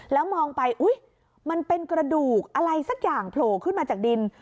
แล้วมองไปอุ๊ยมันเป็นกระดูกอะไรสักอย่างโผล่ขึ้นมาจากดิน